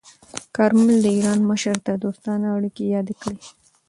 کارمل د ایران مشر ته دوستانه اړیکې یادې کړې.